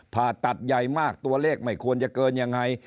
ผ่าตัดใหญ่มากตัวเลขไม่ควรจะเกินยังไง